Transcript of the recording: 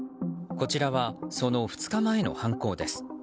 こちらはその２日前の犯行です。